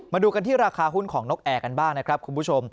มาดูกันที่ราคาหุ้นของนกแอร์กันบ้างนะครับคุณผู้ชม